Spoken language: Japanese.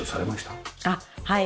はい。